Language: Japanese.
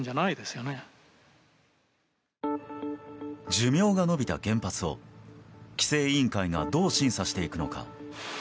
寿命が延びた原発を規制委員会がどう審査していくのか。